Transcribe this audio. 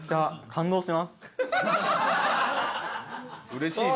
うれしいな。